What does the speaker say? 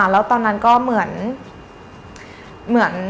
แล้วตอนนั้นก็เหมือน